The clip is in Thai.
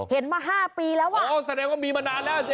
เห็นว่า๕ปีแล้วอ๋อแสดงว่ามีมานานแล้วเจ๊